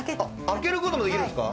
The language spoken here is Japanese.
開けることもできるんですか？